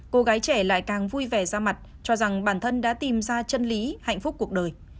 cô gái trẻ lại càng vui vẻ ra mặt cho rằng bản thân đã tìm ra chân lý hạnh phúc cuộc đời